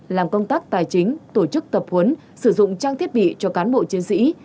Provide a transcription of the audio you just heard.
làm công tác tài chính tổ chức tập huấn sử dụng trang thiết bị cho cán bộ chiến sĩ